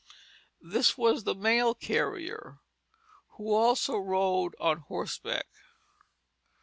This was the mail carrier, who also rode on horseback.